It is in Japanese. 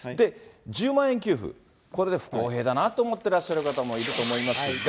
１０万円給付、これで不公平だなと思ってる方もいると思いますが。